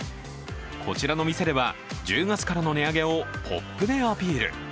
こちらの店では、１０月からの値上げをポップでアピール。